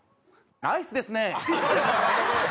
ナイスですね！